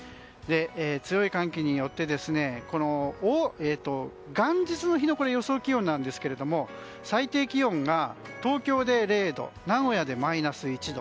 強い寒気によって、元日の予想気温なんですけど最低気温が東京で０度名古屋でマイナス１度。